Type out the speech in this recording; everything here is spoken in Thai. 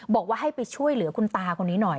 บอกว่าให้ไปช่วยเหลือคุณตาคนนี้หน่อย